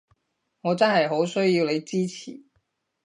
我真係好需要你支持